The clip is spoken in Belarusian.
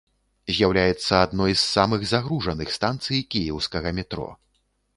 З'яўляецца адной з самых загружаных станцыяй кіеўскага метро.